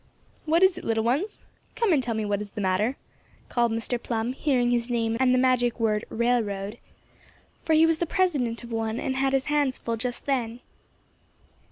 "What is it, little ones? Come and tell me what is the matter," called Mr. Plum, hearing his name and the magic word "railroad," for he was the president of one and had his hands full just then.